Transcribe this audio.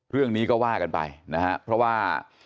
เรื่องนี้ก็ว่ากันไปนะฮะเพราะว่า